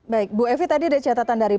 baik bu evi tadi ada catatan dari